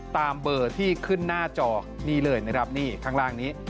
ตามเบอร์ที่ขึ้นหน้าจอนี่เลยนะครับนี่ข้างล่างนี้